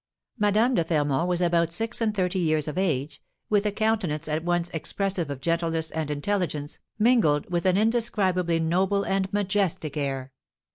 Madame de Fermont was about six and thirty years of age, with a countenance at once expressive of gentleness and intelligence, mingled with an indescribably noble and majestic air.